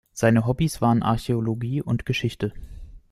Seine Hobbys waren Archäologie und Geschichte.